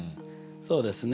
そうですね。